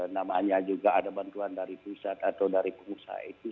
namanya juga ada bantuan dari pusat atau dari pengusaha itu